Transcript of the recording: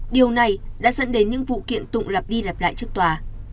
điều này đã dẫn đến những vụ kiện tụng lặp đi lặp lại trước tòa